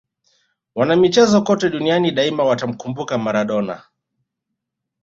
wanamichezo kote duniani daima watamkumbuka maradona